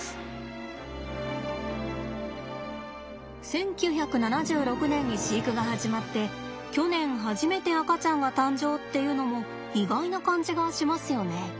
１９７６年に飼育が始まって去年初めて赤ちゃんが誕生っていうのも意外な感じがしますよね。